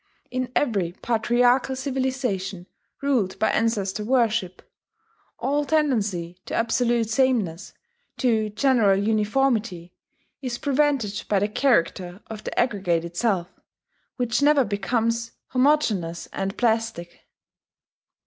In every patriarchal civilization ruled by ancestor worship, all tendency to absolute sameness, to general uniformity, is prevented by the character of the aggregate itself, which never becomes homogeneous and plastic.